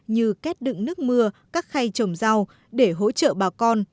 như kết đựng nước mưa các khay trồng rau để hỗ trợ bà con